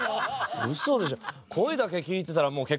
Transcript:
ウソでしょ。